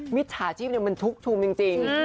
มิตจหาชีพเนี่ยมันทุกชุมจริง